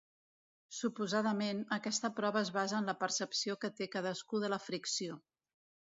Suposadament, aquesta prova es basa en la percepció que té cadascú de la fricció.